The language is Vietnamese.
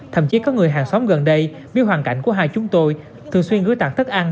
thậm chí có người hàng xóm gần đây biết hoàn cảnh của hai chúng tôi thường xuyên gửi tặng thức ăn